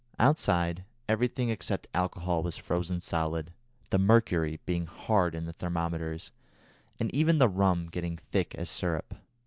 Outside everything except alcohol was frozen solid, the mercury being hard in the thermometers, and even the rum getting thick as syrup.